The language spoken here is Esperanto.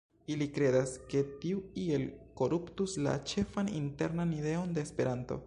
Ili kredas, ke tiu iel koruptus la ĉefan internan ideon de Esperanto